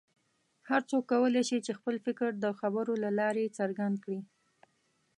هر څوک کولی شي چې خپل فکر د خبرو له لارې څرګند کړي.